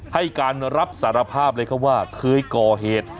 ให้การรับสารภาพเลยครับว่าเคยก่อเหตุ